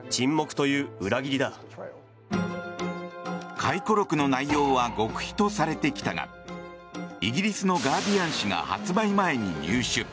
回顧録の内容は極秘とされてきたがイギリスのガーディアン紙が発売前に入手。